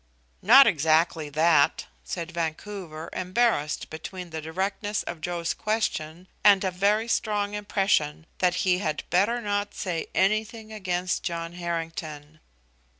"Not exactly that," said Vancouver, embarrassed between the directness of Joe's question and a very strong impression that he had better not say anything against John Harrington.